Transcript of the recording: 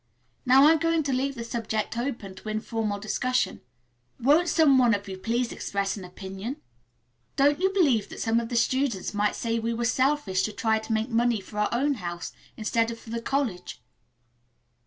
Now I'm going to leave the subject open to informal discussion. Won't some one of you please express an opinion?" "Don't you believe that some of the students might say we were selfish to try to make money for our own house instead of for the college?